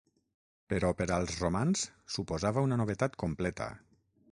Però per als romans suposava una novetat completa.